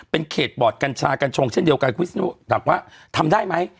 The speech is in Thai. เป็นเขตบอร์ดกัญชากัญชงเช่นเดียวกันวิศนุถามว่าทำได้ไหม